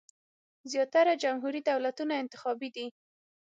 زیاتره جمهوري دولتونه انتخابي دي.